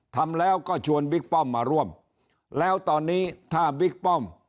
ทำแล้วก็ชวนบิ๊กป้อมมาร่วมแล้วตอนนี้ถ้าบิ๊กป้อม